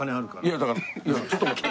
いやだからちょっと待って。